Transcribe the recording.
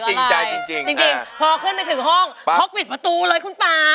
จริงใจจริงพอขึ้นไปถึงห้องเขาปิดประตูเลยคุณป่า